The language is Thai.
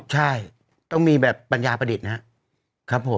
ใช่ต้องมีแบบปัญญาประดิษฐ์นะครับผม